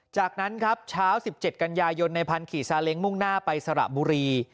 จากนั้นครับเช้า๑๗กันยายนในพันธุ์ขี่ซาเล้งมุ่งหน้าไปสระบุรี